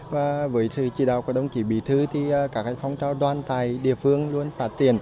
và với sự chỉ đạo của đồng chí bí thư thì các phong trào đoàn tại địa phương luôn phát triển